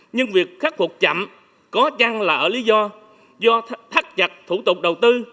nhưng việc khắc phục chậm có chăng là ở lý do do thắt chặt thủ tục đầu tư